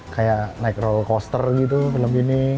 kayak naik roll coaster gitu film ini